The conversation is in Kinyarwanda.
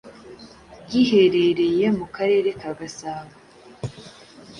giherereye mu Karere ka Gasabo